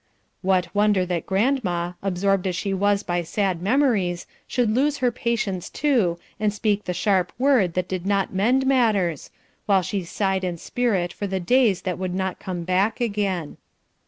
what wonder that grandma, absorbed as she was by sad memories, should lose her patience too, and speak the sharp word that did not mend matters, while she sighed in spirit for the days that would not come back again.